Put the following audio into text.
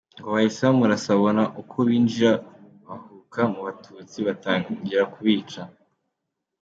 Ngo bahise bamurasa babona uko binjira bahuka mu Batutsi batangira kubica.